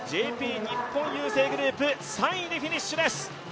ＪＰ日本郵政グループ３位でフィニッシュです。